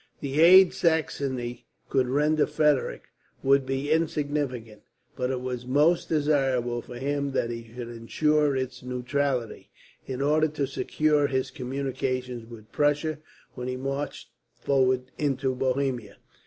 The aid Saxony could render Frederick would be insignificant, but it was most desirable for him that he should ensure its neutrality, in order to secure his communications with Prussia when he marched forward into Bohemia.